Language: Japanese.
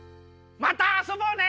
またあそぼうね。